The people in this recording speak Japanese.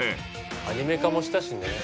アニメ化もしたしね。